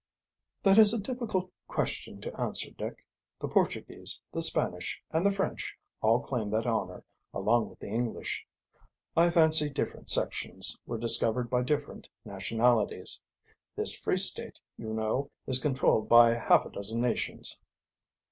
"That is a difficult question to answer, Dick. The Portuguese, the Spanish, and the French all claim that honor, along with the English. I fancy different sections, were discovered by different nationalities. This Free State, you know, is controlled by half a dozen nations."